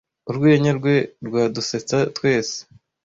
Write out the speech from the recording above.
Urwenya rwe rwadusetsa twese.